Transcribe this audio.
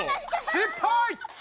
失敗！